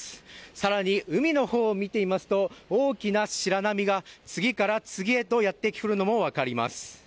さらに、海のほうを見てみますと、大きな白波が次から次へとやって来るのも、分かります。